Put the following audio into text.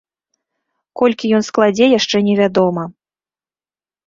Колькі ён складзе яшчэ невядома.